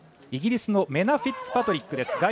イギリスのメナ・フィッツパトリックです。